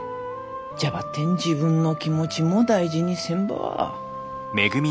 じゃばってん自分の気持ちも大事にせんば。